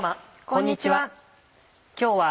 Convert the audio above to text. こんにちは。